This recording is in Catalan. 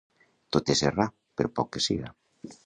Tot és errar, per poc que siga.